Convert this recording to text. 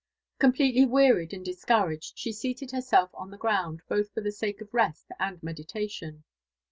Completdy wearied aiM discouraged, she seated herself on the ground, both for the sake of rest and meditation.